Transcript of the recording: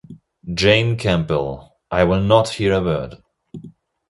Jane Campbell, I will not hear a word!